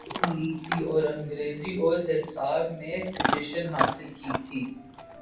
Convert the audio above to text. میں نے first division لی تھی اور انگریزی اور حساب میں پوزیشن حاصل کی تھی۔